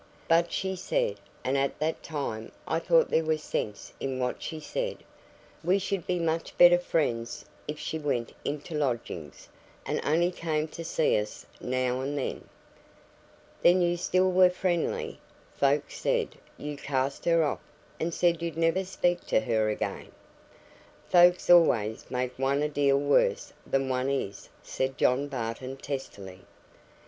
But she said (and at the time I thought there was sense in what she said) we should be much better friends if she went into lodgings, and only came to see us now and then." "Then you still were friendly. Folks said you'd cast her off, and said you'd never speak to her again." "Folks always make one a deal worse than one is," said John Barton, testily.